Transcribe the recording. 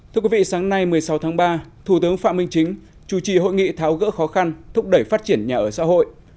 thưa quý vị sáng nay một mươi sáu tháng ba thủ tướng phạm minh chính chủ trì hội nghị tháo gỡ khó khăn thúc đẩy phát triển nhà ở xã hội